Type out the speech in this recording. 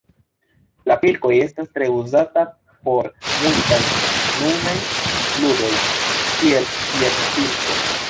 La pilkoj estas tre uzataj por multaj nunaj ludoj, kiel piedpilko.